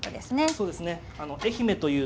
そうですね。